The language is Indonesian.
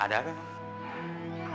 ada apa mak